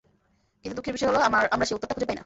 কিন্তু দুঃখের বিষয় হলো, আমরা সেই উত্তরটা খুঁজে পাইনা।